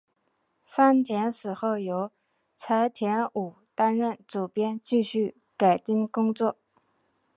山田死后由柴田武担任主编继续改订工作。